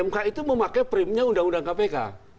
mk itu memakai primnya undang undang kpk